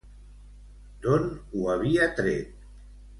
D'on ho havia tret?